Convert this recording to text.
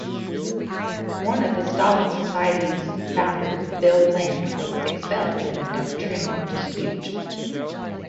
One of the Stalin Society's founders, Bill Bland, was expelled in a doctrinal dispute.